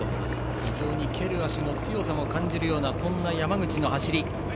非常に蹴る足の強さも感じるような山口の走り